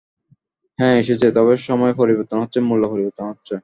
হ্যাঁঁ এসেছে, তবে সময় পরিবর্তন হচ্ছে, মূল্য পরিবর্তন হচ্ছে।